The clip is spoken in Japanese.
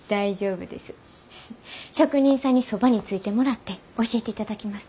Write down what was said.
職人さんにそばについてもらって教えていただきます。